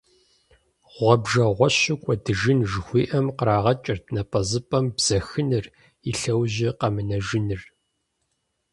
«Гъуэбжэгъуэщу кӀуэдыжын» жыхуиӏэм кърагъэкӏырт напӀэзыпӀэм бзэхыныр, и лъэужьи къэмынэжыныр.